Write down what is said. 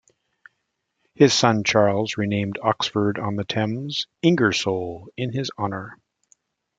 His son Charles renamed Oxford-on-the-Thames "Ingersoll" in his honor.